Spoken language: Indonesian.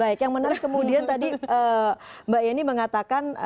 baik yang menarik kemudian tadi mbak yeni mengatakan